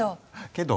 けど？